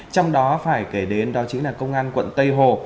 trong đó phải kể đến đó chính là công an quận tây hồ